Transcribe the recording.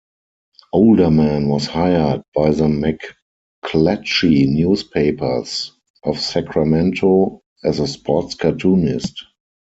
Olderman was hired by the McClatchy Newspapers of Sacramento as a sports cartoonist.